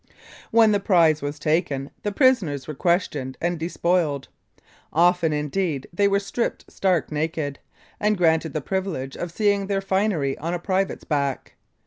When the prize was taken, the prisoners were questioned, and despoiled. Often, indeed, they were stripped stark naked, and granted the privilege of seeing their finery on a pirate's back.